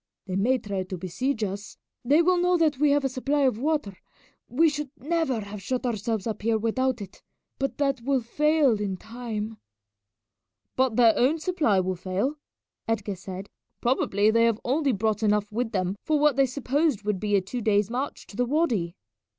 They may try to besiege us. They will know that we have a supply of water we should never have shut ourselves up here without it but that will fail in time." "But their own supply will fail," Edgar said. "Probably they have only brought enough with them for what they supposed would be a two days' march to the wady."